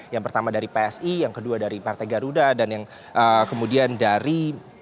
yang pertama dari psi yang kedua dari partai garuda dan yang kemudian dari